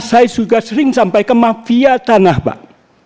saya sudah sering sampai ke mafia tanah pak